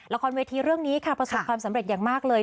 ละครเวทีเรื่องนี้ค่ะประสบความสำเร็จอย่างมากเลย